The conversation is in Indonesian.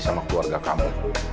sama keluarga kamu